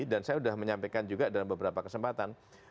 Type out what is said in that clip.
dan saya sudah menyampaikan juga dalam beberapa kesempatan